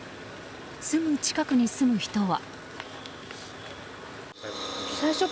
すぐ近くに住む人は。